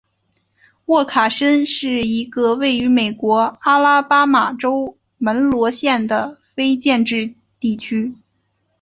沃卡申是一个位于美国阿拉巴马州门罗县的非建制地区。